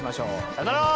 さようなら！